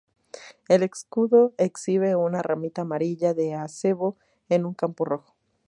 El escudo exhibe una ramita amarilla de acebo en un campo rojo.